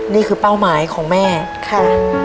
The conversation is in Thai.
นี่คือเป้าหมายของแม่ค่ะ